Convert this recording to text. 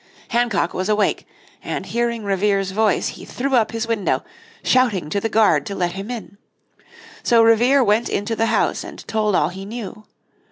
Hancock was awake, and hearing Revere's voice he threw up his window, shouting to the guard to let him in. So Revere went into the house and told all he knew.